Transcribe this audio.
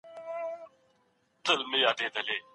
ولي دغه واک يوازي نارينه ته سپارل سوی دی؟